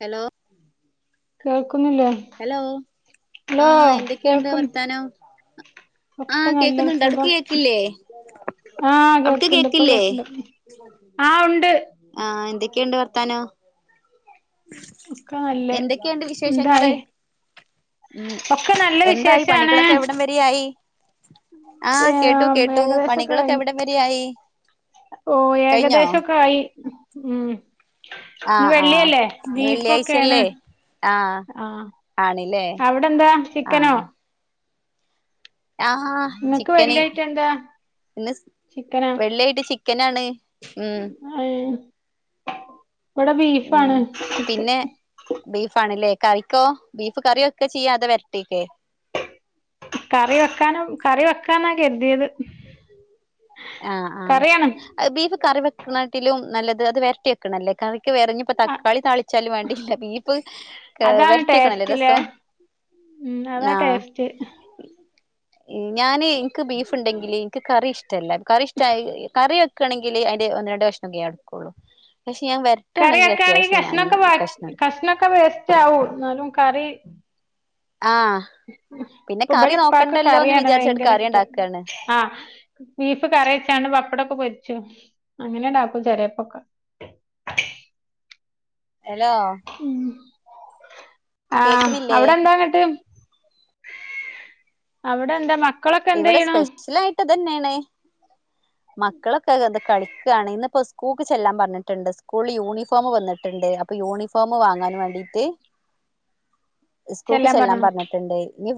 Hello കേൾക്കുന്നില്ലേ hello hello ആഹ് എന്തൊക്കെയുണ്ട് കേൾക്കുന്നു വർത്താനം ഒക്കെ ആഹ് നല്ല കേക്കുന്നുണ്ട് അവിടുക്ക് കേക്കില്ലേ ആഹ് അവിടക്ക് കേൾക്കണ്ട് ഇപ്പ കേക്കില്ലേ കേക്കണ്ട് ആഹ് ഉണ്ട് ആഹ് എന്തൊക്കെയുണ്ട് വർത്താനോ ഒക്കെ നല്ല എന്തൊക്കെയുണ്ട് വിശേഷങ്ങള് എന്തായി ഉം ഒക്കെ നല്ല എന്തായി വിശേഷാണ് പണികളൊക്കെ എവിടം വരെയായി ആഹ് ഏ കേട്ടു കേട്ടു പണികളൊക്കെ എവിടം വരെയായി ഓഹ് കഴിഞ്ഞോ ഏകദേശോക്കെ ആയി ഉം ഇന്ന് ആഹ് ആഹ് വെള്ളിയല്ലേ ഇന്ന് ബീഫൊക്കെയാണ് വെള്ളിയാഴ്ചല്ലേ ആഹ് ആഹ് ആണില്ലേ അവിടെ എന്താ ചിക്കനോ ആഹ് ആഹ് നിങ്ങക്ക് ചിക്കന് വെള്ളിയായിട്ട് എന്താ ഇന്ന് സ് ചിക്കനാ വെള്ളിയായിട്ട് ചിക്കനാണ് ഉം ആഹ് യേ ഉം പിന്നെ ബീഫാണല്ലേ കറിക്കോ ബീഫ് കറി വെക്കൊ ചെയ്യാ അതോ വെരട്ടിക്കെ കറി വെക്കാനും കറി വെക്കാന്നാ കരുതിയത് ആഹ് കറിയാണ് ആഹ് ബീഫ് കറി വെക്കണട്ടിലും നല്ലത് അത് വെരട്ടി വെക്കണല്ലേ കറി [unintelligible] ഇപ്പൊ ആഹ് തക്കാളി താളിച്ചാലും വേണ്ടില്ല. ബീഫ്‌ അതാണ് വെരട്ടിയേക്കണല്ലേ ടേസ്റ്റ്ല്ലേ രസം. ഉം അതാ ആഹ് ടേസ്റ്റ്. ഞാന് എനിക്ക് ബീഫ് ഉണ്ടെങ്കില് എനിക്ക് കറി ഇഷ്ടമല്ല. കറി ഇഷ്ട കറി വെക്കണമെങ്കില് അതില് ഒന്ന് രണ്ട് കഷണോക്കെ ഞാൻ എടുക്കുള്ളൂ പക്ഷെ ഞാൻ വെര കറി വെക്കാ ആണെങ്കിൽ കഷ്ണൊക്കെ കഷ്ണൊക്കെ വേസ്റ്റ് ആവും. എന്നാലും കറി ആഹ് പിന്നെ ഇപ്പൊ കറി ഇബലെ ഇപ്പാക്ക് നോക്കണ്ടല്ലോന്ന് കറിയാണ് വിചാരിച്ചിട്ട് ഭയങ്കര കറി ഇഷ്ടം ഉണ്ടാക്കണ്. ആഹ് ബീഫ് കറി വെച്ചാണ്ട് പപ്പടൊക്കെ പൊരിച്ചു അങ്ങനെണ്ടാക്കും ചെലോപ്പം. ഹലോ? ഉം ആഹ് കേക്ക്ണില്ലേ അവിടെ എന്താന്നട്ട്. അവിടെ എന്താ മ ഇവിടെ സ്പെഷ്യൽ ആയിട്ട് ഇതന്നെയാണ്. മക്കളൊക്കെ ദ കളി ക്കയാണ് ഇന്നിപ്പോ സ്കൂക്ക് ചെല്ലൻ പറഞ്ഞിട്ടുണ്ട്. സ്കൂളിൽ യൂണിഫോം വന്നിട്ടുണ്ട്. അപ്പ യൂണിഫോം വാങ്ങാൻ വേണ്ടി. എ സ്കൂക്ക് ചെല്ലാൻ പറഞ്ഞിട്ട്ണ്ട്. ഇനി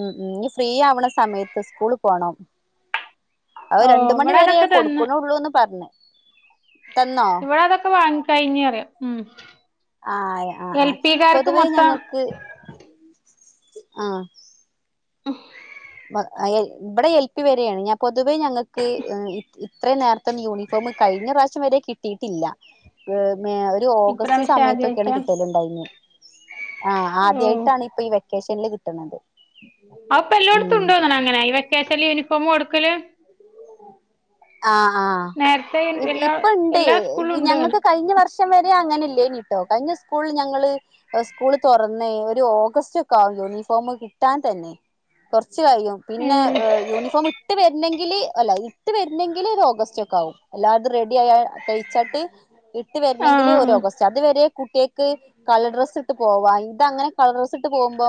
ഉം ഇനി ഫ്രീ ആവ്ണ സമയത്ത് സ്കൂൾ പോണം. അത് ഓഹ് രണ്ട് മണി ഇവിടെ വരെ അതൊക്കെ തന്ന് കൊടുക്കുണുള്ളൂന്ന് പറഞ്ഞ്. തന്നോ ഇവിടെ അതൊക്കെ വാങ്ങിക്കഴിഞ്ഞ്റിയാം ഉം ആയ ആഹ് എൽ ആഹ് പി കാർക്ക് പൊതുവേ മൊത്തം ഞങ്ങൾക്ക് ആഹ് [inaudible] ഇവിടെ എൽ പി വരെയാണ് ഞാൻ പൊതുവേ ഞങ്ങൾക്ക്. ഇത്രയും നേരത്തെന്നും യൂണിഫോംമ്. കഴിഞ്ഞ പ്രാവശ്യം വരെ കിട്ടിയിട്ടില്ല. ഇതോ ഓഗസ്റ്റ് ഇപ്രാവശ്യം സമയത്തൊക്കെയാണ് ആദ്യായിട്ടാ കിട്ടലുണ്ടായനെ. ആ ഓഹ് ആദ്യായിട്ടാണ്ഇപ്പൊ വെ ഈ സ്ഷ്യൽല് കിട്ടണുന്നത്. അതിപ്പോ ഇപ്പൊ എല്ലോടത്തുണ്ട്നങ്ങനെ അങ്ങനെ ഈ വെകേഷനിൽ യൂണിഫോമ് കൊടുക്കല്. ആ ആഹ നേരത്തെ എല്ലാ ഇപ്പ ഇണ്ട് എല്ലാ സ്കൂളിലും ഈ ഉണ്ട് അങ്ങനെ ഞങ്ങൾക്ക് കഴിഞ്ഞ വർഷം ച വരെ അങ്ങനെ ഇല്ലേ കിട്ടോ കഴിഞ്ഞ സ്കൂളിൽ ഞങ്ങള്. ഇപ്പോ സ്കൂള് തുറന്ന്. ഒരു ഓഗസ്റ്റ് ഒക്കെ ആകും യൂണിഫോം കിട്ടാൻ തന്നെ. കുറച്ച് കൈയും പിന്നെ ഉം യൂണിഫോം ഇട്ട് വരുന്നെങ്കില്. അല്ല ഇട്ട് വരുന്നെങ്കിൽ ഒരു ഓഗസ്റ്റ് ഒക്കെ ആകും. എല്ലാതും റെഡി ആയി തയ്ച്ചിട്ട്ഇട്ട്. ഇട്ടു വരുന്നെങ്കിൽ ആഹ് ഒരു ആഹ് ഓഗസ്റ്റ്. അതുവരെ കുട്ടികൾക്ക് കളർ ഡ്രസ്സ് ഇട്ട് പോവാ. ഇത് അങ്ങനെ കളർ ഡ്രസ്സ് ഇട്ട് പോകുമ്പോ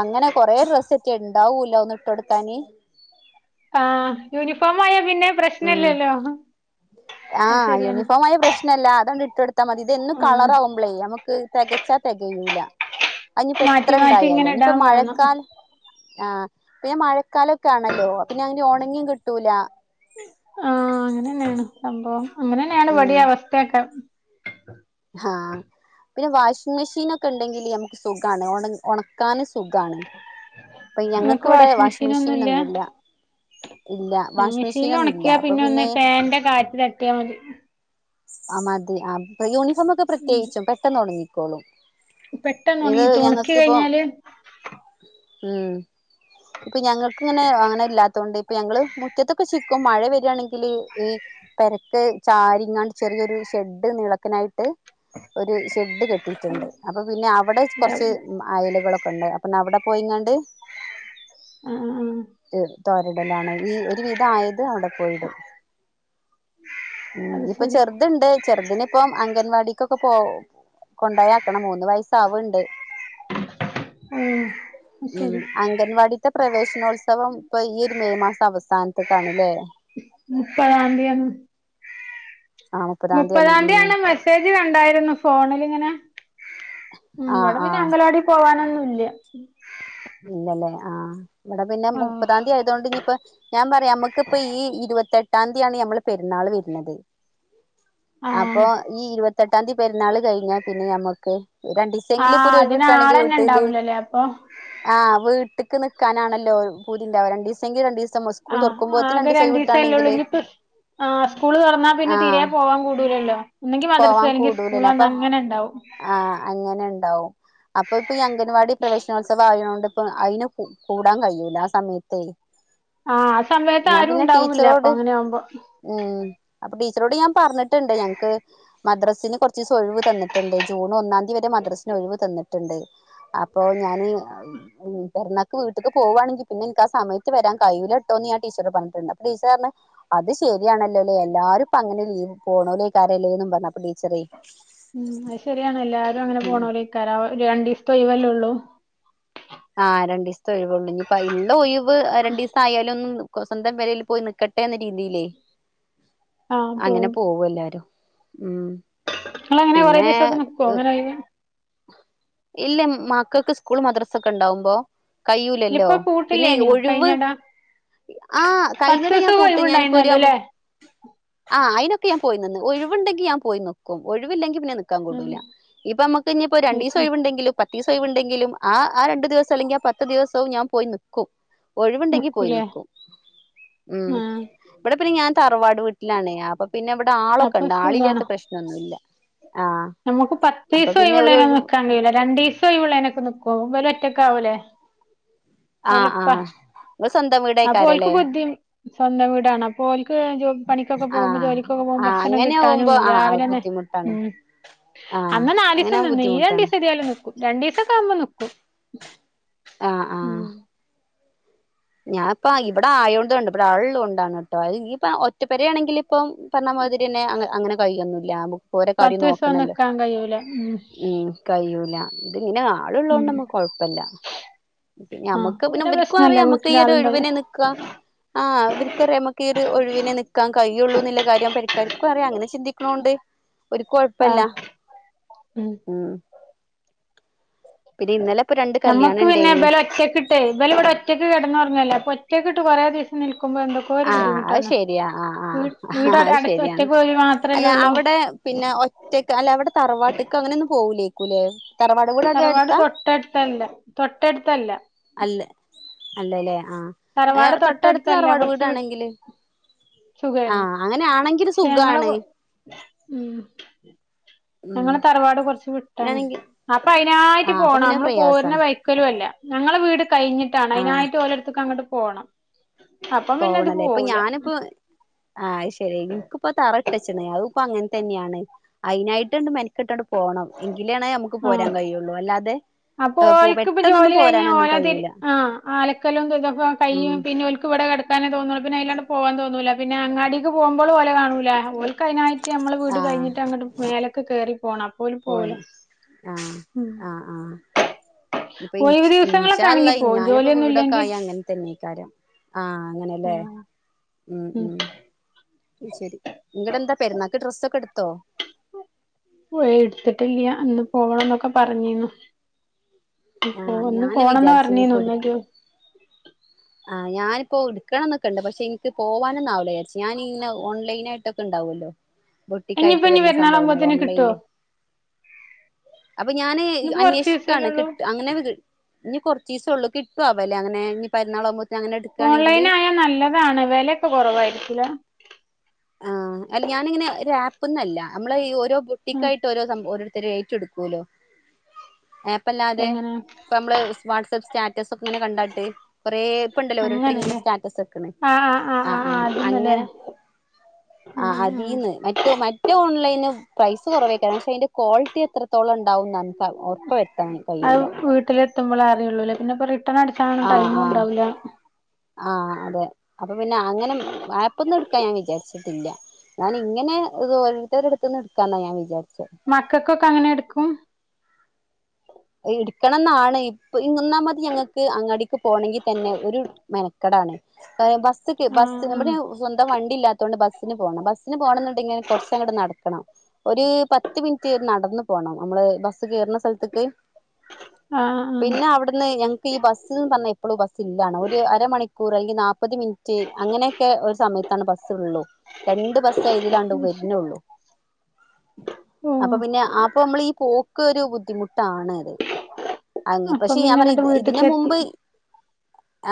അങ്ങനെ കൊറെ ഡ്രസ്സ്ന്റെ ഉണ്ടാവൂല ഒന്ന് ഇട്ട്ടുകാന്. ആഹ യൂണിഫോം ആയാ പിന്നെ ഉം പ്രശ്നംഇല്ലല്ലോ. ആഹ് യൂണിഫോം ആയ പ്രശ്നല്ല. അതുകൊണ്ട് ഇട്ടെടുത്താൽ മതി. ഇതന്നും ആഹ് കളർ ആകുമ്പ പ്പ്ളെ നമുക്ക് തികച്ചാ തികയൂനില. അനിപ്പോ എത്ര മാറ്റി മാറ്റി ഇണ്ടായാലും. ഇങ്ങനെ ഇടാൻ ഇനിയിപ്പം വേണം മഴക്കാല ആഹ് പിന്നെ മഴക്കാലക്കെ ആണല്ലോ അപിന്നെ ഉണങ്ങി കിട്ടൂല. ആഹ അങ്ങനെ ന്നെയാണ് സംഭവം അങ്ങനെ ന്നെയാണ് ഉം വിടിം അവസ്ഥയൊക്കെ. ആഹ് പിന്നെ വാഷിംഗ് മെഷീന്ക്കെ ഉണ്ടെങ്കില് നമുക്ക് സുഖണ് ഉണക്കാനും സുഖണ്. അപ്പൊ ഇങ്ങക്ക് ഞങ്ങൾക്കിവിടെ വാഷിംഗ് വാഷിം മെഷീൻ മെഷീനൊന്നുല്ല ഒന്നുംല്ല. ഇല്ല വാഷ് മെഷീനിൽ മെഷീൻനോന്നുംല്ല. ഒണക്കിയാ അപ്പൊ ഒന്ന് പിന്നെ ഫാന്റെ കാറ്റ് തട്ടിയാ മതി ആ മതി ആ യൂണിഫോമ് ഒക്കെ പ്രത്യേകിച്ചും പെട്ടെന്ന് ഒങ്ങിക്കോളും. പെട്ടെന്ന് ഉണങ്ങിട്ടു ഉണക്കി കഴിഞ്ഞാല്. ഉം ഇപ്പൊ ഞങ്ങൾക്ക്ങ്ങനെ അങ്ങനെ ഇല്ലാത്തോണ്ട്. അപ്പൊ ഞങ്ങള് മുറ്റത്തൊക്കെ ചിക്കും. മഴ വരിയാണെങ്കില്. ഈ പെരക്ക് ചാരിങ്ങാണ്ട് ചെറിയൊരു ഷെഡ് നീളക്ക്നായ് ട്ട് ഒരു ഷെഡ് കെട്ടീട്ട്ണ്ട് അപ്പൊ പിന്നെ അവിടെ കൊറച്ച് ഇതാവും മ ആയലുകള്ക്കൊണ്ട് അപ്പന്നാ അവിടെ പോയിങ്ങാണ്ട് ആഹ് ആഹ് എഹ് തോരിടലാണ് ഈ ഒരു വിധായത് അവിടെ പോയിടും ഉം അത് ഇപ്പ ശരി ചെർത്ണ്ട് ചെർതിന്പ്പം അംഗൻവാടിക്കൊക്കെ പോ കൊണ്ടായാക്കണം മൂന്ന് വയസ്സാവൻണ്ട് ആഹ് ഉം ശരി അംഗ് ഗൻവാടീത്തെ പ്രവേശനോത്സവം ഇപ്പൊ ഈഹ് ഒര് മെയ് മാസം അവസാനത്തേക്കാണ്ല്ലേ മുപ്പതാംതീയാണ് ആഹ് മുപ്പതാംതീയാണ് മെസ് മെസ്സേജ് കണ്ടാരുന്നു ഫോണില്ങ്ങനെ ഉം ആഹ് ഇവിടെ പിന്നെ ആഹ് അംഗനവാടി പോവാനൊന്നൂല്ല ഉം ഇല്ലല്ലേ ആഹ് ഇവിടെ പിന്നെ മുപ്പതാം തീയതി ആയതോണ്ട് ഇനീപ്പം ഞാൻ പറയാം അമ്മക്കിപ്പ ഈ ഇരുപത്തെട്ടാതീയാണ് ഞമ്മള് പെരുന്നാള് വെര്ന്നത് അപ്പൊ ആഹ് ഈ ഇരുപത്തെട്ടാംതീ പെരുന്നാള് കയ്ഞ്ഞാ പിന്നെ ഞമ്മക്ക് രണ്ടീ ആഹ് അതിനാളന്നെണ്ടാവൂലല്ലേ അപ്പൊ ആഹ് വീട്ട്ക്ക് നിക്കാനാണല്ലോ പൂതിണ്ടാവ രണ്ടീസെങ്കി രണ്ടീസം സ്ക് ആഹ് ആകെ രണ്ടീസല്ലേ ഒള്ളീനിപ്പ് ആഹ് സ്കൂള് തൊറന്നാ പിന്നെ തീരെ ആഹ് പോവാൻ കൂടൂലല്ലോ ഒന്നെങ്കി മദ്രസ പോവാൻ അല്ലെങ്കിൽ കൂടൂലല്ലോ സ്കൂളന്നെ അപ്പൊ അങ്ങനെണ്ടാവും ആഹ് അങ്ങനെണ്ടാവും അപ്പൊ ഇപ്പൊ ഈ അംഗൻവാടി പ്രവേശനോത്സ ത്സവായോണ്ട് ഇപ്പ അയ്ന് കു കൂടാൻ കയൂല ആഹ് സമയത്തേ ആഹ് ആസമയത്ത് ഞാൻ ആരും പിന്നെ ഉണ്ടാവൂല്ല അപ്പൊ ടീച്ചറോട് അങ്ങനെ ആവുമ്പോ ഉം അപ്പൊ ടീച്ചറോട് ഞാൻ പറഞ്ഞ്ട്ട്ണ്ട് ഞങ്ങ്ക്ക് മദ്രസിന് കൊറച്ചൂസം ഒഴിവ് തന്നിട്ട്ണ്ട് ജൂൺ ഒന്നാംതീ വരെ മദ്രസിന് ഒഴിവ് തന്ന്ട്ട്ണ്ട് അപ്പോ ഞാന് ഉം പെരുന്നാക്ക് വീട്ട്ക്ക് പോവാണെങ്കി പിന്നെ എൻക്കാ സമയത്ത് വരാൻ കയ്യൂലാട്ടോന്ന്ഞാ ടീച്ചറോട് പറഞ്ഞിട്ടൊണ്ട് അപ്പ ടീച്ചററഞ്ഞ് അത് ശരിയാണല്ലോലേ എല്ലാരും ഇപ്പങ്ങനെ ലീവ് പോണോല്ലേക്കാരല്ലേന്ന് അപ്പറഞ്ഞ് ടീച്ചറേ ഉം അത് ശരിയാണ് എല്ലാരു അങ്ങനെ ഉം പോണോരായ്ക്കാര രണ്ടീസ്ത്തെ ഒയ്വല്ലേ ഒള്ളൂ ആഹ് രണ്ടീസത്തെ ഒഴിവൊള്ളൂ ഇനീപ്പാ ഇള്ള ഒയിവ് രണ്ടീസം ആയാലൊന്നും ഓഹ് സ്വന്തം പെരേല് പോയ് നിക്കട്ടേന്ന രീതിലേ ആഹ് അങ്ങനെ പോവും പോവെല്ലാരും ഉം നിങ്ങളങ്ങനെ കൊറേ പിന്നേ ദിവസൊക്കെ നിക്കോ എഹ് അങ്ങനെ ഒഴിവ് ഇല്ല മക്കക്ക് സ്കൂൾ മദ്രസക്കെണ്ടാവുമ്പോ ഇല്ല കൈയ്യൂലല്ലോ ഇപ്പൊ പിന്നെ ഈ പൂട്ടില്ലേനിയോ ഒഴിവ് കഴിഞ്ഞടാ ഈ ആഹ് പത്ത് കഴിഞ്ഞെട ഞാൻ ദിവസം പൂട്ട് ഞാനിപ്പൊരു ഒഴിവുണ്ടായിരുന്നല്ലോ അമ്മു അല്ലേ ആഹ് അയിനൊക്കെ ഞാൻ പോയിനിന്ന് ഒഴിവുണ്ടെങ്കി ഞാൻ പോയി നിക്കും ഒഴിവില്ലെങ്കിപിന്നെനി ക്കാൻ ഉം വിടൂല്ല ഇപ്പ നമ്മക്കിനിപ്പ അത് രണ്ടീസം ശരി ഒഴിവ് ണ്ടെങ്കിലും പത്തീസം ഒഴിവൊണ്ടെങ്കിലും ആഹ് ആഹ് രണ്ട് ദിവസം അല്ലെങ്കിൽ ആഹ് പത്ത്ദിവസോം ഞാൻ പോയി നിക്കും ഒഴിവുണ്ടെങ്കി പോയി നിക്കൂലേ നിക്കും ഉം ആഹ് ഇവിടെ പിന്നെ ഞാൻ തറവാട് വീട്ടിലാണെ അപ്പൊ പിന്നെ ഇവടെ അപ്പൊ ആളൊക്കെണ്ട് ആളില്ലാത്ത സുഖാണ് പ്രശ്നൊന്നുവില്ല ആഹ് നമുക്ക് പത്തീസം ഒയിവിള്ളേനൊന്നും നിക്കാൻ കയ്യൂല്ല രണ്ടീസം ഒയിവിള്ളേനക്കെ നിക്കും ഇവലൊറ്റക്കാവൂലേ ആഹ് ആഹ് ഇങ്ങ്ള് സൊന്തംവീട് അപ്പൊ ഓൽക്ക് ബുദ്ധി സ്വന്തം വീടാണ് അപ്പൊ ഓൽക്ക് ജോബ് പണി ക്കൊക്കെ പോമ്പോ ആഹ് ജോലിക്കൊക്കെ പോമ്പൊ ആഹ് ഭക്ഷണം അങ്ങനെ കിട്ടാനും ആവുമ്പോ ആഹ് അത് രാവിലെ തന്നെ ബുദ്ധിമുട്ടാണ് ഉം ആഹ് അന്ന് നാല് ദിവസം അങ്ങനാവുമ്പോ നിന്ന് ഈ രണ്ട് ബുദ്ധിമുട്ടാണ് ദെവസം ഏയാലും നിക്കും രണ്ട് ദിവസക്ക ആവുമ്പോ നിക്കും ഉം ഞാപ്പ ഇവിടെ ആയൊണ്ട് ഇവിടെ ആളുളോണ്ടാണ് കെട്ടോ അയ് ഇപ്പൊ ഒറ്റ പെരയാണെങ്കില്- ഇപ്പം പറഞ്ഞ മാതിരിന്നെ അങ്ങനെ കഴിയൊന്നുല്ല ആഹ് ബുക്ക്- ഓരോ പത്ത് കാര്യം ദിവസം നോക്കണല്ലോ നിക്കാൻ കഴിയൂല ഉം കയ്യൂല്ല ഇതിങ്ങനെ - ആളിള്ളോണ്ട് ഉം നമ്മക്ക് കൊഴപ്പില്ല ആഹ് ഞമ്മക്ക് അപ്പൊ പിന്നെ ഇവരിക്കും പ്രശ്നല്ല അറിയ ഞമ്മക്ക് വീട്ടില് ഈയൊരു ആളുണ്ടാവും ഒഴുവിനെ നിക്കുവാ ആഹ് അവിർക്കറിയാം നമക്കീയൊരു ഒഴുവിനെ നിക്കാൻ കഴിയുള്ളു എന്നുള്ള കാര്യം പെരക്കാർക്കു അറിയാം അങ്ങനെ ചിന്തി - ക്കണോണ്ട് ഓരു കൊഴപ്പില്ല ആഹ് ഉം പിന്നെ ഇന്നലെ ഇപ്പൊ രണ്ട് കല്യാണം ഞമ്മക്ക് പിന്നെ ഇണ്ടേനി ഇബലെ ഒറ്റക്ക് ഇട്ട് - ഇവലിവിടെ ഒറ്റക്ക് കെടന്ന് ഒറങ്ങുവല്ലേ അപ്പൊ ഒറ്റക്കിട്ട് കൊറേ ദിവസം നിൽക്കുമ്പൊ എന്തൊ- ആഹ് അത് ശരിയാ ആഹ് ആഹ് വീട് ആഹ് അത് അടച്ച് ശരിയാണ് ഒറ്റക്ക് ഓല് മാത്രല്ലേ അല്ല ഉള്ളൂ അവടെ പിന്നെ- ഒറ്റക്ക് അല്ല അവടെ തറവാട്ട്ക്ക് അങ്ങനൊന്നും പോവുലേക്കുല്ലേ തറവാട്ട് തറവാട് തൊട്ടടുത്തല്ല തൊട്ടടുത്തല്ല അല്ല അല്ലല്ലേ ആഹ് തറവാട് തൊട്ടടുത്ത് തൊട്ടടുത്തല്ല തറവാട് കൊറച്ച് വീട്- വി ണെങ്കില് സുഖായിരുന്നു ആഹ് അങ്ങനെ ആണെങ്കില് പക്ഷെ ഞങ്ങളെ സുഖാണ് ഉം ഉം ഞങ്ങടെ തറവാട് കൊറച്ച് വിട്ടാണ് അങ്ങനാണെങ്കി അപ്പൊ അയ്നായിട്ട് ആഹ് അപ്പൊ പോണം പിന്നെ നമ്മള് പോരുണ പ്രയാസാണ് ക്കലും അല്ല ഞങ്ങള് വീട് കഴിഞ്ഞിട്ടാണ് ആഹ് അയ്നായിട്ട് ഓലട്ത്ത്ക്ക് അങ്ങട്ട് പോണം അപ്പം പിന്നെ ഇത് പോവണല്ലേ ഇപ്പൊ പോവൂല ഞാനിപ്പോ - ആഹ് അത് ശരി നിങ്ങക്കിപ്പ തറയിട്ട് വെച്ചെണ് അതിപ്പോ അങ്ങനെ തന്നെയാണ് അയിനായിട്ട് ഓണ്ട് മെനക്കെട്ടോട് പോണം എങ്കിലാണ് നമുക്ക് പോരാൻ ആഹ് കഴിയുള്ളൂ അല്ലാതെ- അപ്പൊ ഏഹ് പോ ഓൽക്കിപ്പൊ ജോലി പെട്ടെന്നൊന്നും കഴിഞ്ഞാ പോരാനൊന്നും ഓരാതി കഴിയൂല ആഹ് ആലക്കലും ഇതൊക്കെ ഉം കൈയ്യും പിന്നെ ഓൽക്കിവടെ കെട ക്കാനെ തോന്നൂ പിന്നെ അല്ലാണ്ട് പോവാൻ തോന്നൂല പിന്നെ അങ്ങാടിക്ക് പോവുമ്പളു ഓലെ കാണൂല- [unintelligible] ഞമ്മള് വീട് ആഹ് കഴിഞ്ഞിട്ട് അങ്ങട്ട് മേലെക്കെ കേറി പോണം ഓല് പോയ പോവൂല ആഹ് ഉം ആഹ് ആഹ് ഇപ്പ ഇൻ ഒഴിവ് ദിവസങ്ങളൊക്കെ ഇൻഷാള്ള ആണെങ്കി പോവും ഞാനിപ്പൊ ജോലിയൊന്നും ഇല്ലെങ്കി വീടൊക്കായി അങ്ങനെ- തന്നേക്കാരം ആഹ് അങ്ങനെയല്ലേ ആഹ് ഉം ഉം ശരി നിങ്ങടെ എന്താ പെരുന്നാക്ക് ഡ്രെസ്സൊക്കെ എടുത്തോ ഓ എടുത്തിട്ടില്ലിയാ ഇന്ന് പോവണംന്നൊക്കെ പറഞ്ഞിനു ഇപ്പൊ ആഹ് ഇന്ന് ഞാന് പോണംന്നാ വിചാരിച്ച് പറഞ്ഞീനു ഇനിയിപ്പോ എടുക്ക് ഇന്നൊരു- [inaudible] ആഹ് ഞാനിപ്പം ഉടുക്കണം എന്നൊക്കെ ഉണ്ട് പക്ഷെ എനിക്ക് പോവാനൊന്നാവില്ലോ വിചാരിച്ച് ഞാനിങ്ങനെ ഓൺലൈൻ ആയിട്ടൊക്കെ ഉണ്ടാവുമല്ലോ ബൊട്ടിക്കായിട്ട് ഇനിയിപ്പോ ഇനി വരുന്ന സംഭവങ്ങള് പെരുന്നാളാകുമ്പോത്തിന് കിട്ടുവോ ഓൺലൈനില് അപ്പൊ ഞാന് ഇനിയിപ്പോ കൊറച്ച് ദിവസല്ലേ അന്വേഷിക്കയാണ് ഉള്ളൂ കിട്ട്- അങ്ങനെ ഇനി കുറച്ച് ദിവസേ ഉള്ളൂ കിട്ടാവോ അവലെ അങ്ങനെ ഇനി പെരുന്നാളാകുമ്പോ- ഓൺലൈൻ ആയാൽ നല്ലതാണ് വെലയൊക്കെ കൊറവായിരിക്കില്ലേ ആഹ് അല്ല ഞാനിങ്ങനെ ഒര് ആപ്പ് എന്നല്ല നമ്മള് ഈ ഓരോ ഉം ബൊട്ടിക്കായി- ഓരോ സംഭവം ഓരോരുത്തര് ഏറ്റ് എടുക്കുവല്ലോ ഏപ്പല്ലാതെ- എങ്ങനെ ഇപ്പം നമ്മള് വാട്സ്ആപ്പ് സ്റ്റാറ്റസ് ഒക്കെ ഇങ്ങനെ കണ്ടാട്ട്- കൊറേ ഇപ്പം ഇണ്ടല്ലോ ഓരോരുത്തര് ഇങ്ങനെ അങ്ങനല്ലേ സ്റ്റാറ്റസ് വെക്കണെ ആഹ് ആഹ് അങ്ങനെ- ആഹ് അതീന്ന് മറ്റോ മ റ്റെ ഓൺലൈന് പ്രൈസ് കൊറവേക്കാരം പക്ഷെ അയിന്റെ ക്വാളിറ്റി എത്രത്തോളം ഉണ്ടാവുന്ന. അത് വീട്ടില് എത്തുമ്പളേ അറിയള്ളൂലേ പിന്നെ ഇപ്പം റിട്ടൺ അടി ആഹ് ആഹ് ആഹ് അതെ അപ്പം പിന്നെ അങ്ങനെ ആപ്പൊന്നും എടുക്കാൻ ഞാൻ വിചാരിച്ചിട്ടില്ല. ഞാനിങ്ങനെ ഇത് ഓരോരുത്തരുടെ അടുത്ത്ന്ന് എടുക്കാന്നാ ഞാൻ വിചാരിച്ചെ. മക്കക്കൊക്കെ അങ്ങനെ എടുക്കും? ഇട്ക്കണംന്നാണ് ഇപ്പ് ഒന്നാമത് ഞങ്ങക്ക് അങ്ങാടിക്ക് പോണങ്കിൽ തന്നെ ഒരു മെനക്കടാണ്. ഏഹ് ബസ്സ്ക്ക് ആഹ് ബസ്സ് നമ്മടെ സ്വന്തം വണ്ടി ഇല്ലാത്തോണ്ട് ബസ്സിന് പോണം. ബസ്സിന് പോണം ന്നുണ്ടെങ്കി കൊറച്ചങ്ങട് നട ക്കണം ഒര് പത്ത് മിനിറ്റ് നടന്ന് പോണം നമ്മള് ബസ് കേറുന്ന സ്ഥലത്ത്ക്ക്. ആഹ് ആഹ് ആഹ് പിന്നെ അഒടുന്ന് ഞങ്ങക്ക് ഈ ബസ്സ് ന്ന് പർഞ്ഞാ എപ്പളും ബസ്സ് ഇല്ലാണ് ഒരു അരമണിക്കൂറ് അല്ലെങ്കിൽ നാല്പ്പത് മി റ്റ് അങ്ങനെയൊക്കെ ഒരു സമയത്താണ് ബസ്സ് ഉള്ളൂ. രണ്ട് ബസ്സ് ഇതിലാണ്ട് വരുണള്ളു. ഓഹ് അപ്പം പിന്നെ അപ്പൊ നമ്മൾ ഈ പോക്ക് ഒരു ബുദ്ധിമുട്ടാണ്. അങ്ങനെ അപ്പം പക്ഷെ ഞാൻ പിന്നെ പറ്യ ഇങ്ങട്ട് ഇത് ഇതിന് വീട്ട്ക്ക് എത്തി മുമ്പ്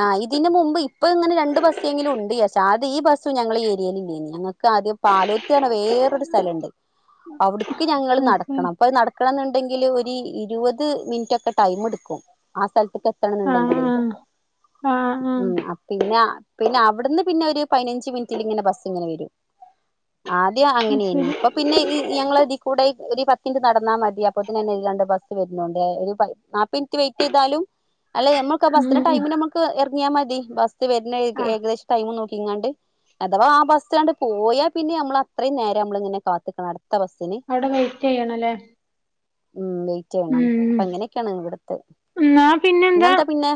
ആഹ് ഇതിന് മുമ്പ് ഇപ്പൊ ഇങ്ങനെ രണ്ട് ബസ്സെങ്കിലും ഉണ്ട് ചാരിച്ച. ആദ്യം ഈ ബസ്സ് ഞങ്ങളെ ഏരിയൽ ഇല്ലേനി. ഞങ്ങക്ക് ആദ്യം പാലോത്ത് പർഞ്ഞ വേറൊരു സ്ഥലം ഇണ്ട്. അവിടുക്ക് ഞങ്ങള് അത് ശരി നടക്കണം അപ്പം നട ക്കണം ന്ന്ണ്ടെങ്കില് ഒരു ഇരുപത് മിനിറ്റ് ഒക്കെ ടൈം എടുക്കും ആഹ് സ്ഥലത്ത്ക്കെ ആഹ് ത്തണംന്ന്ണ്ടങ്കില് ആഹ് ആഹ് ആഹ് ഉം അപ്പ് പിന്നെ പിന്നെ അവട്ന്ന് പിന്നെ ഒരു പതിനഞ്ച് മിനിറ്റിൽ ഇങ്ങനെ ബസ്സ് ഇങ്ങനെ വരും. ആദ്യം അത് അങ്ങനേനി ശരി ഇപ്പൊ പിന്നെ ഈ ഞങ്ങള് ഇതി കൂടെ ഒരു പത്തി മിനിറ്റ് നടന്നാൽ മതി അപ്പോത്ത്നന്നെ ഇതിലാണ്ട് ബസ്സ് വരും. ഉണ്ടേ ഒരു നാപ്പത് മിനിറ്റ് വെയിറ്റ് യ്താലും അല്ല ഞമ്മൾക്ക് ആഹ് ഉം ബസ്സ്ന്റെ ഉം ഉം ടൈമിന് നമ ക്ക് എറങ്ങിയാൽ മതി ബസ്സ് വര്ണ ഏക ആഹ് ഏകദേശ ടൈം നോക്കിങ്ങാണ്ട്. അഥവാ ആഹ് ബസ്സാണ്ട് പോയാൽ പിന്നെ നമ്മള് അത്രയും നേരം നമ്മള് ഇങ്ങനെ കാത്ത്ക്കണം അടുത്ത ബസ്സിന്. അഒടെ വെയിറ്റ് യ്യണം ല്ലേ? ഉം വെയിറ്റ് യ്യണം അപ്പ ഉം അങ്ങനെക്കെയാണ് ഇവിടുത്തെ. എന്നാ പിന്നെന്താ ഇന്നെന്താ പിന്നെ?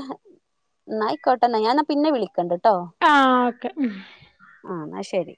ഇന്നാ അയിക്കോട്ടെന്നെ ഞാൻ ന്നാ പിന്നെ വിളിക്കണ്ട് ട്ടോ. ആഹ് ഓക്കെ ആഹ് ന്നാ ശരി